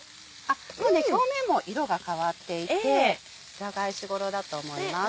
表面も色が変わっていて裏返し頃だと思います。